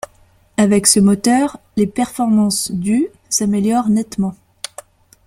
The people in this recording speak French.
Avec ce moteur, les performances du s'améliorent nettement.